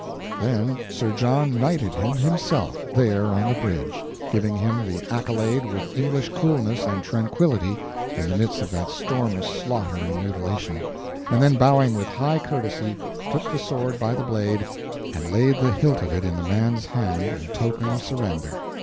Then Sir John knighted him himself there on the bridge, giving him the accolade with English coolness and tranquillity in the midst of that storm of slaughter and mutilation; and then bowing with high courtesy took the sword by the blade and laid the hilt of it in the man's hand in token of surrender.